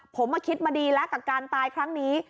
ผมมาคิดมาดีแล้วกับการตายครั้งนี้